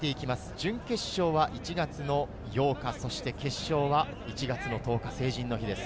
準決勝は１月８日、決勝は１月１０日、成人の日です。